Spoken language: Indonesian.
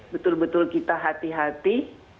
betul betul kita hati hati